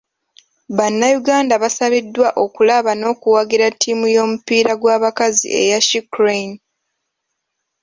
Bannayuganda basabiddwa okulaba n'okuwagira ttiimu y'omupiira gw'abakazi eya She Crane .